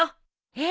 えっ？